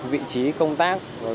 vị trí công tác